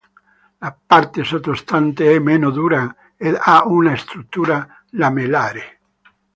La parte sottostante è meno dura ed ha una struttura lamellare.